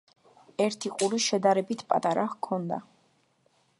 ერთი ყური შედარებით პატარა ჰქონდა.